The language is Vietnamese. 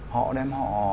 họ đem họ